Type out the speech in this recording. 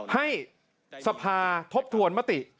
ให้สภาทบทวนมติ